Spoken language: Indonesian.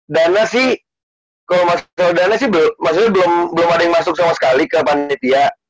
dana sih kalau masalah dana sih maksudnya belum ada yang masuk sama sekali ke panitia